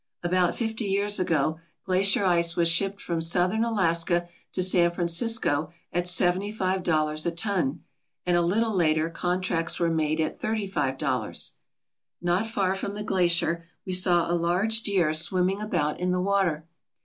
About fifty years ago glacier ice was 90 THE WORLD'S GREATEST GLACIERS shipped from southern Alaska to San Francisco at seventy five dollars a ton, and a little later contracts were made at thirty five dollars. Not far from the glacier we saw a large deer swimming about in the water.